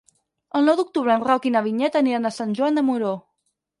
El nou d'octubre en Roc i na Vinyet aniran a Sant Joan de Moró.